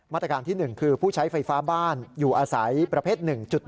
ตรการที่๑คือผู้ใช้ไฟฟ้าบ้านอยู่อาศัยประเภท๑๔